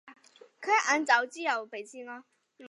河口复叶耳蕨为鳞毛蕨科复叶耳蕨属下的一个种。